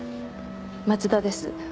松田です。